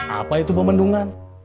apa itu pemandungan